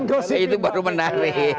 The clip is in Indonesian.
dan gosipin itu baru menarik